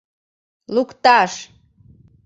Лукташ!